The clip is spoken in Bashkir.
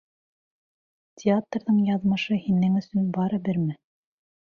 Театрҙың яҙмышы һинең өсөн барыберме?